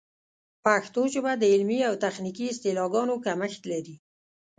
پښتو ژبه د علمي او تخنیکي اصطلاحاتو کمښت لري.